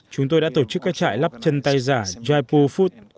chúng tôi đã tổ chức các trại lắp chân tay giả jaipur food